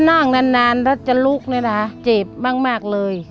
นั่งนานนานแล้วจะลุกเลยนะคะเจ็บมากเลย